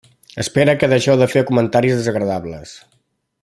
Espere que deixeu de fer comentaris desagradables.